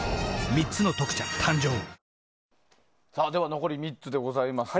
残り３つでございます。